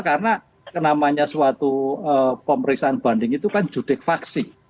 karena kenamanya suatu pemeriksaan banding itu kan judik faksi